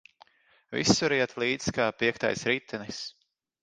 Visur iet līdz kā piektais ritenis.